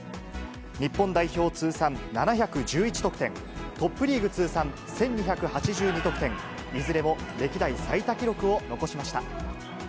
日本代表通算７１１得点、トップリーグ通算１２８２得点、いずれも歴代最多記録を残しました。